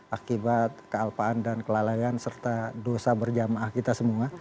akibat kealpaan dan kelalaian serta dosa berjamaah kita semua